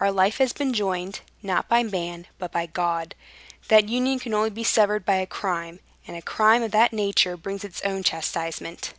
Our life has been joined, not by man, but by God. That union can only be severed by a crime, and a crime of that nature brings its own chastisement."